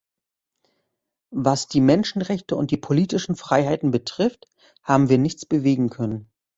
Was die Menschenrechte und die politischen Freiheiten betrifft, haben wir nichts bewegen können.